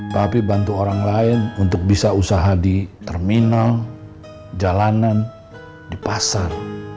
tapi bantu orang lain untuk bisa usaha di terminal jalanan di pasar